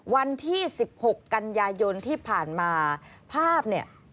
วันที่๑๖กันยายนที่ผ่านมาภาพเนี่ย